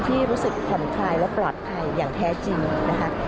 ที่รู้สึกผ่อนคลายและปลอดภัยอย่างแท้จริงนะคะ